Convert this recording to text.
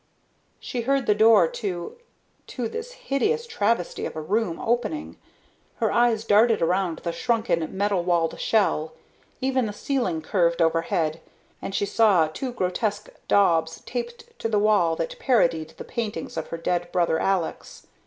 She heard the door to to this hideous travesty of a room opening. Her eyes darted around the shrunken metal walled shell, even the ceiling curved overhead, and she saw two grotesque daubs taped to the walls that parodied the paintings of her dead brother Alex.